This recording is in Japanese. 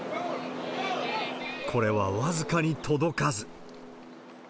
これは僅かに届かず。